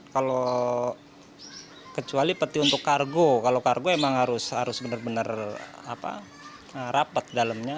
kalau kecuali peti untuk kargo kalau kargo emang harus benar benar rapat dalamnya